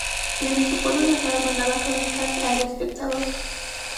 Desde su pueblo natal mandaba crónicas a El Espectador.